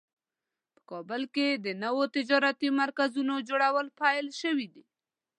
په کابل کې د نوو تجارتي مرکزونو جوړول پیل شوی ده